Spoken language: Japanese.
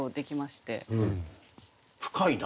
深いな。